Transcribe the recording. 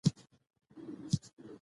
موږ باید د ښار پاکوالي ته پام وکړو